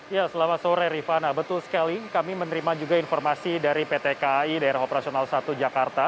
ya selamat sore rifana betul sekali kami menerima juga informasi dari pt kai daerah operasional satu jakarta